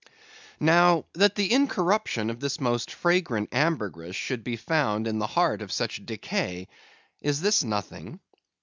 Now that the incorruption of this most fragrant ambergris should be found in the heart of such decay; is this nothing?